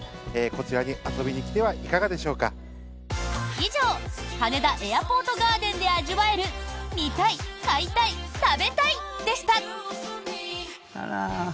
以上羽田エアポートガーデンで味わえる見たい、買いたい、食べたいでした！